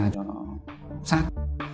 cho nó sát